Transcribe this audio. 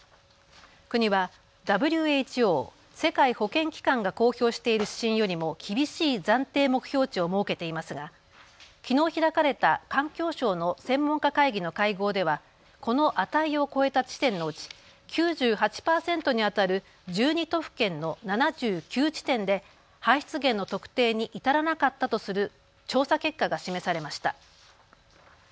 国はＷＨＯ・世界保健機関が公表している指針よりも厳しい暫定目標値を設けていますがきのう開かれた環境省の専門家会議の会合ではこの値を超えた地点のうち９８％にあたる１２都府県の７９地点で排出源の特定に至らなかったとする調査結果が示されました。